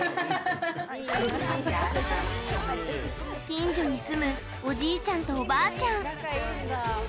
近所に住むおじいちゃんと、おばあちゃん。